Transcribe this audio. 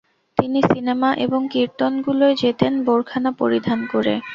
তিনি সিনেমা এবং কীর্তনগুলোয় যেতেন বোরকা না পরিধান করে।